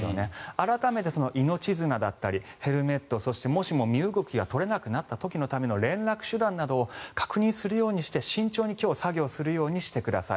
改めて命綱だったりヘルメットそして、もしも身動きが取れなくなった時のための連絡手段などを確認するようにして慎重に今日作業するようにしてください。